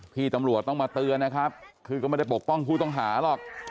พี่ตำรวจต้องมาเตือนนะครับคือก็ไม่ได้ปกป้องผู้ต้องหาหรอก